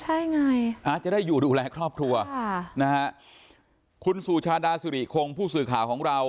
อาร์ตจะได้อยู่ดูแลครอบครัวคุณซูชาดาซิริคงผู้สื่อข่าวของเรา